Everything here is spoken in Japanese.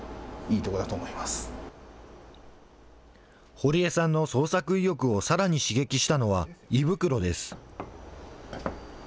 堀江さんの創作意欲をさらに刺激したのは、胃袋です。